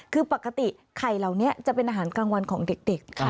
คือปกติไข่เหล่านี้จะเป็นอาหารกลางวันของเด็ก